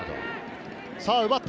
奪った！